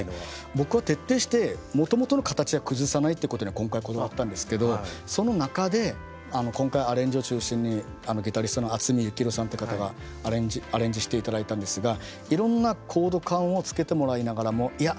僕は徹底してもともとの形は崩さないってことには今回こだわったんですけどその中で今回アレンジを中心にギタリストの渥美幸裕さんって方がアレンジしていただいたんですがいろんなコード感をつけてもらいながらもいや